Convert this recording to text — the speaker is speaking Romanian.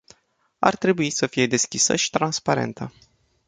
Ar trebui să fie deschisă și transparentă.